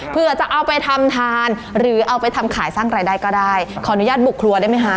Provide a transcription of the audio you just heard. เพื่อจะเอาไปทำทานหรือเอาไปทำขายสร้างรายได้ก็ได้ขออนุญาตบุกครัวได้ไหมคะ